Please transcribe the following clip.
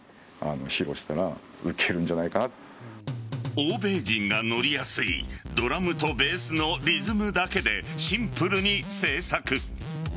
欧米人が乗りやすいドラムとベースのリズムだけでシンプルに制作。